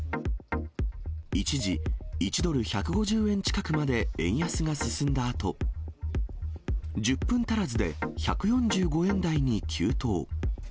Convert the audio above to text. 一時、１ドル１５０円近くまで円安が進んだあと、１０分足らずで１４５円台に急騰。